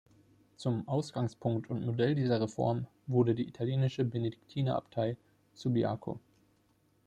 Zum Ausgangspunkt und Modell dieser Reform wurde die italienische Benediktinerabtei Subiaco.